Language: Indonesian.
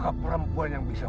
apa yang kamu inginkan